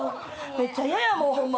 めっちゃ嫌やもうホンマ。